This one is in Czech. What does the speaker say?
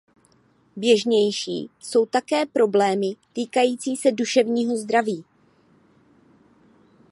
Běžnější jsou také problémy týkající se duševního zdraví.